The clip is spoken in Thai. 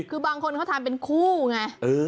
คือบางคนเขาทำเป็นคู่ไง